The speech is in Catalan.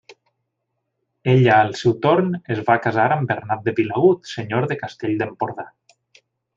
Ella, al seu torn, es va casar amb Bernat de Vilagut, senyor de Castell d'Empordà.